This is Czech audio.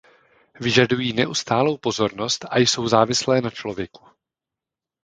Vyžadují neustálou pozornost a jsou závislé na člověku.